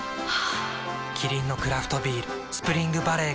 キリンのクラフトビール「スプリングバレー」から